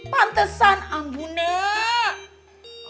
pantesan ambu nak